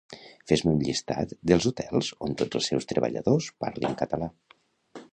Fes-me un llistat dels Hotels on tots els seus treballadors parlin català